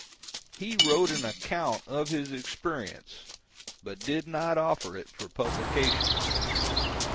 He wrote an account of his experience, but did not offer it for publication.